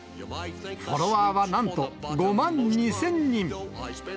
フォロワーはなんと、５万２０００人。